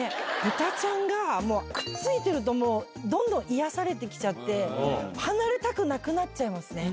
ブタちゃんが、もうくっついてるともう、どんどん癒やされてきちゃって、離れたくなくなっちゃいますね。